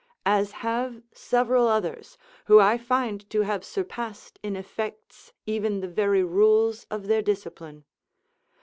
As have several others, who I find to have surpassed in effects even the very rules of their discipline.